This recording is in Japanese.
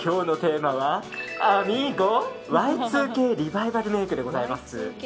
ーゴＹ２Ｋリバイバルメイクでございます。